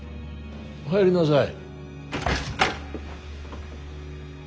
入りなさい。